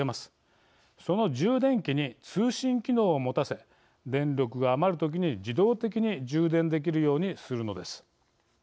その充電器に通信機能を持たせ電力が余る時に自動的に充電できるようにするのです。